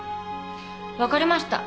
分かりました。